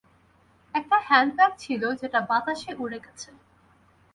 একটা হ্যাণ্ডব্যাগ ছিল, সেটা বাতাসে উড়ে গেছে।